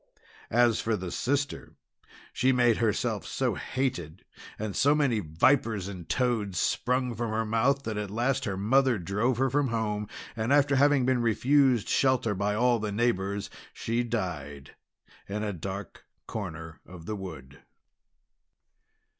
As for the sister, she made herself so hated, and so many vipers and toads sprang from her mouth, that at last her mother drove her from home. And, after having been refused shelter by all the neighbours, she died in a dark corner of the wood.